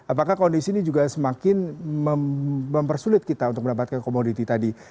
apakah kondisi ini juga semakin mempersulit kita untuk mendapatkan komoditi tadi